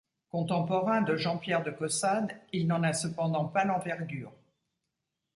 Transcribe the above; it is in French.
Contemporain de Jean-Pierre de Caussade il n'en a cependant pas l'envergure.